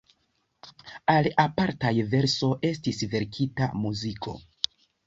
Al apartaj verso estis verkita muziko.